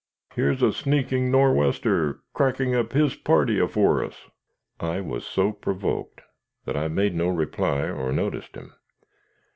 "Here's a sneaking Nor'wester cracking up his party afore us." I was so provoked that I made no reply or noticed him.